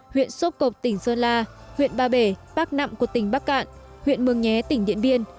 huyện sốp cộp tỉnh sơn la huyện ba bể bắc nậm của tỉnh bắc cạn huyện mường nhé tỉnh điện biên